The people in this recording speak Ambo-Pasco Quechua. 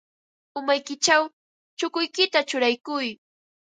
Umaykićhaw chukuykita churaykuy.